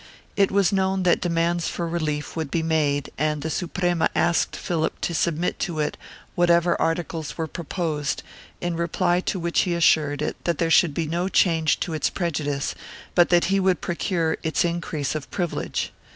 It was known that demands for relief would be made and the Suprema asked Philip to submit to it whatever articles were pro posed, in reply to which he assured it that there should be no change to its prejudice, but that he, would procure its increase of privilege.